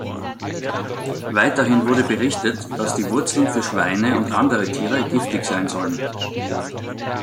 Weiterhin wurde berichtet, dass die Wurzeln für Schweine und andere Tiere giftig sein sollen.